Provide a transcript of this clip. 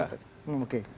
pasti kata kata seperti itu